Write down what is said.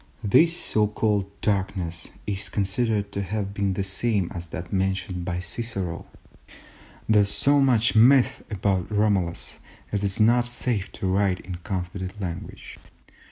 This so called darkness is considered to have been the same as that mentioned by Cicero. There is so much myth about Romulus that it is not safe to write in confident language.